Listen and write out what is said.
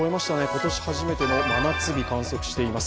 今年初めての真夏日観測しています。